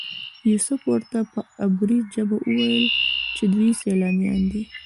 یوسف ورته په عبري ژبه وویل چې دوی سیلانیان دي.